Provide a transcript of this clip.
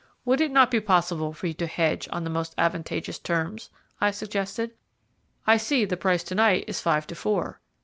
"Would it not be possible for you to hedge on the most advantageous terms?" I suggested. "I see the price to night is five to four."